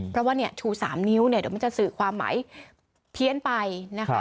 เพราะว่าชู๓นิ้วเดี๋ยวมันจะสื่อความหมายเพี้ยนไปนะคะ